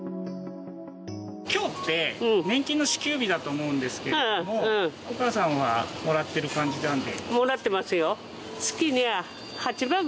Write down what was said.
今日って年金の支給日だと思うんですけどもお母さんはもらってる感じなんで。